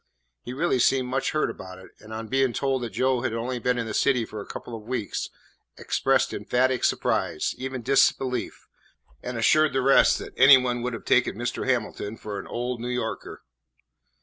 He really seemed much hurt about it, and on being told that Joe had only been in the city for a couple of weeks expressed emphatic surprise, even disbelief, and assured the rest that any one would have taken Mr. Hamilton for an old New Yorker.